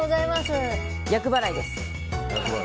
厄払いです。